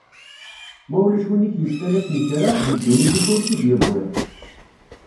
Ma ulac win ik-yettalasen kra, deg dunnit-ik ur k-id-yewwiḍ.